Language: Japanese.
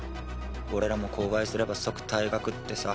俺らも口外すれば即退学ってさ。